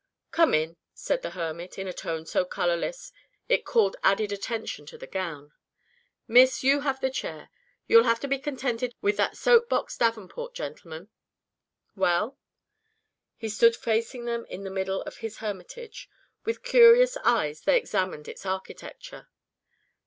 "Come in," said the hermit, in a tone so colorless it called added attention to the gown. "Miss, you have the chair. You'll have to be contented with that soap box davenport, gentlemen. Well?" He stood facing them in the middle of his hermitage. With curious eyes they examined its architecture.